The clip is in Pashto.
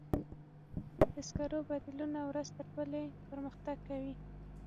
د سکرو بدیلونه ورځ تر بلې پرمختګ کوي.